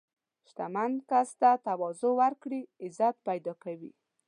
• شتمن سړی که تواضع وکړي، عزت پیدا کوي.